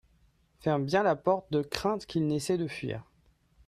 Ferme bien la porte de crainte qu'il n'essayent de fuir.